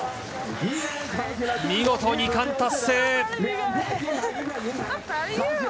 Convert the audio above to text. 見事２冠達成！